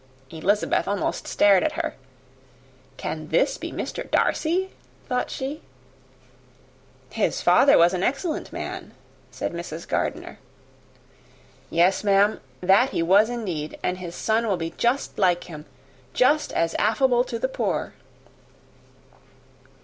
Elizabeth almost stared at her. "Can this be Mr. Darcy?" thought she. "His father was an excellent man," said Mrs. Gardiner. "Yes, ma'am, that he was indeed; and his son will be just like him just as affable to the poor."